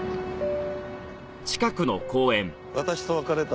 私と別れた